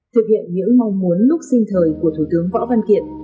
thực hiện những mong muốn lúc sinh thời của thủ tướng võ văn kiệt